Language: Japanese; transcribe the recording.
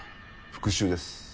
復讐です。